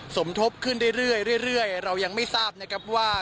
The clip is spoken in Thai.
สมทบขึ้นเรื่อยเรายังไม่ทราบนะครับว่า